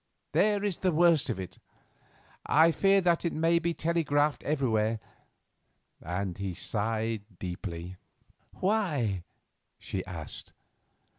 There is the worst of it. I fear that it may be telegraphed everywhere," and he sighed deeply. "Why?" she asked.